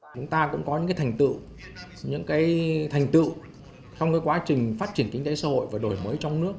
chúng ta cũng có những thành tựu những cái thành tựu trong quá trình phát triển kinh tế xã hội và đổi mới trong nước